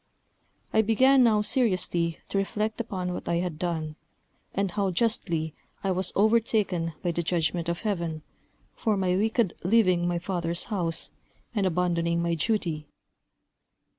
I began now seriously to reflect upon what I had done, and how justly I was overtaken by the judgment of Heaven, for my wicked leaving my father's house, and abandoning my duty.